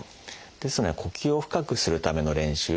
ですので呼吸を深くするための練習。